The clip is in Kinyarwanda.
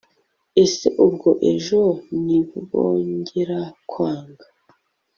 ese ubwo ejo nibongera kwanga